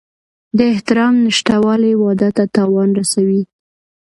د احترام نشتوالی واده ته تاوان رسوي.